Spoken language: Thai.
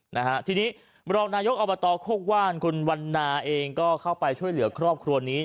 นะฮะทีนี้รองนายกอบตโคกว่านคุณวันนาเองก็เข้าไปช่วยเหลือครอบครัวนี้